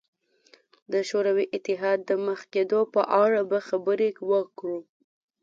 د شوروي اتحاد د مخ کېدو په اړه به خبرې وکړو.